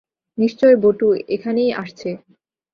নিশ্চয় বটু–এখানেই আসছে।